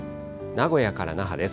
名古屋から那覇です。